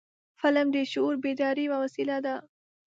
فلم د شعور بیدارۍ یو وسیله ده